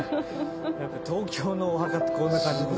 東京のお墓ってこんな感じです。